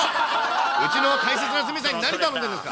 うちの大切な鷲見さんに何頼んでるんですか。